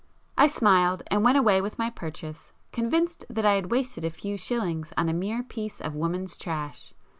I smiled, and went away with my purchase, convinced that I had wasted a few shillings on a mere piece of woman's trash.